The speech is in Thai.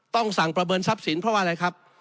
ต้องสั่งประเมินทรัพย์สินเพราะว่าอะไรครับ